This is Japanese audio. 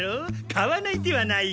買わない手はないよ。